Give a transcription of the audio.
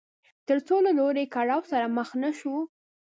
تر څو له لوی کړاو سره مخ نه شو.